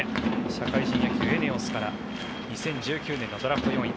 社会人野球エネオスから２０１９年のドラフト４位。